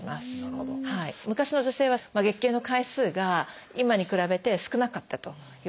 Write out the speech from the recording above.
昔の女性は月経の回数が今に比べて少なかったといわれています。